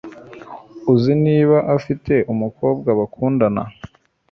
Uzi niba afite umukobwa bakundana